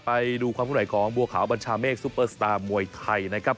ไปดูความขึ้นไหวของบัวขาวบัญชาเมฆซุปเปอร์สตาร์มวยไทยนะครับ